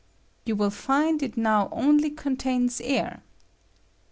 You will find it now only contains air.